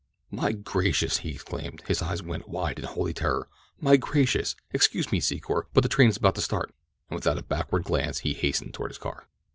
"My gracious!" he exclaimed. His eyes went wide in holy horror. "My gracious! Excuse me, Secor, but the train is about to start." And without a backward glance he hastened toward his car.